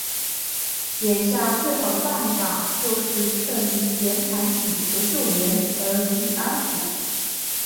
眼下最好的办法就是趁袁谭请求救援而予以安抚。